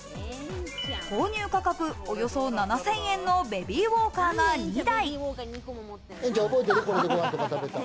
購入価格およそ７０００円のベビーウォーカーが２台。